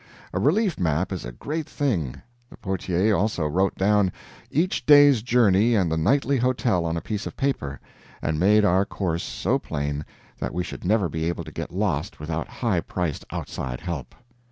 A relief map is a great thing. The portier also wrote down each day's journey and the nightly hotel on a piece of paper, and made our course so plain that we should never be able to get lost without high priced outside help.